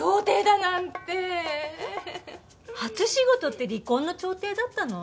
初仕事って離婚の調停だったの？